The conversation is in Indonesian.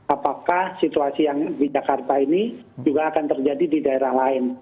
apakah situasi yang di jakarta ini juga akan terjadi di daerah lain